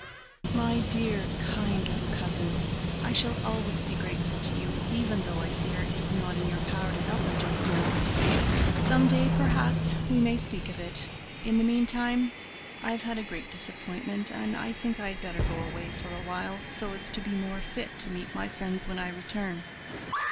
"My dear, kind little cousin, I shall always be grateful to you, even though I fear it is not in your power to help me just now. Some day, perhaps, we may speak of it; in the meantime I have had a great disappointment, and I think I had better go away for awhile, so as to be more fit to meet my friends when I return."